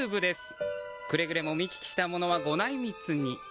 くれぐれも見聞きしたものはご内密に。